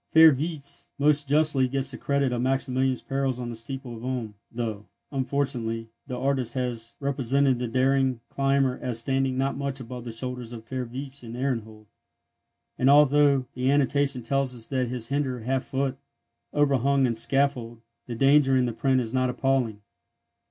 Fürwitz most justly gets the credit of Maximilian's perils on the steeple of Ulm, though, unfortunately, the artist has represented the daring climber as standing not much above the shoulders of Fürwitz and Ehrenhold; and although the annotation tells us that his "hinder half foot" overhung the scaffold, the danger in the print is not appalling.